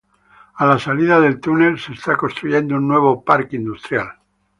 A la salida del túnel se está construyendo un nuevo parque industrial.